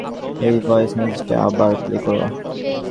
ওই ভয়েস মেসেজটা আবার প্লে করো।